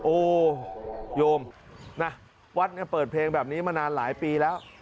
โอ้โฮโยมวัดเปิดเพลงแบบนี้มานานหลายปีแล้ว